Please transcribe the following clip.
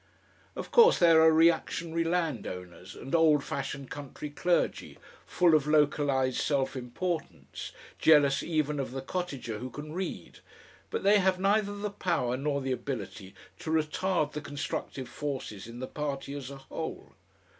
Of course there are reactionary landowners and old fashioned country clergy, full of localised self importance, jealous even of the cottager who can read, but they have neither the power nor the ability to retard the constructive forces in the party as a whole.